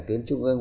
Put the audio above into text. tuyến trung ương